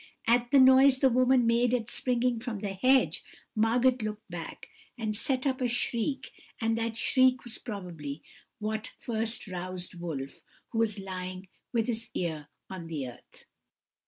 At the noise the woman made at springing from the hedge, Margot looked back, and set up a shriek, and that shriek was probably what first roused Wolf, who was lying with his ear on the earth.